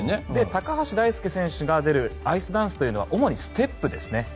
高橋大輔選手が出るアイスダンスというのは主にステップですね。